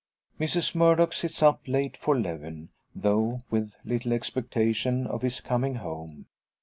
Mrs Murdock sits up late for Lewin though with little expectation of his coming home.